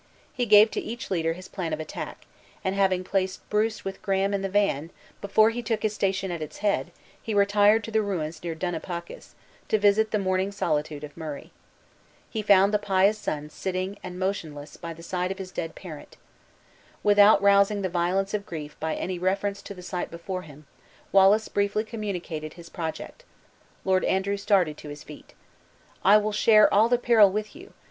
He gave to each leader his plan of attack; and having placed Bruce with Graham in the van, before he took his station at its head, he retired to the ruins near Dunipacis, to visit the mourning solitude of Murray. He found the pious son sitting silent and motionless by the side of his dead parent. Without rousing the violence of grief by any reference to the sight before him, Wallace briefly communicated his project. Lord Andrew started to his feet. "I will share all the peril with you!